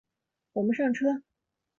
我们上车